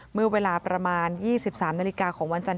เมื่อเวลาประมาณ๒๓นาฬิกาของวันจันท